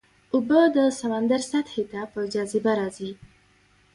اوبه د سمندر سطحې ته په جاذبه راځي.